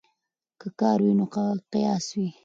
که کار وي نو قیاس وي.